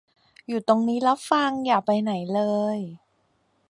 อยู่ตรงนี้ล่ะฟัง อย่าไปไหนเลย